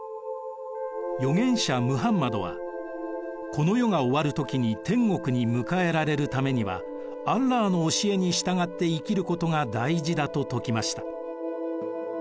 預言者ムハンマドはこの世が終わる時に天国に迎えられるためにはアッラーの教えに従って生きることが大事だと説きました。